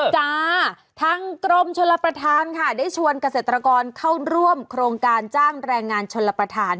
จ้าทางกรมชลประธานค่ะได้ชวนเกษตรกรเข้าร่วมโครงการจ้างแรงงานชนรับประทาน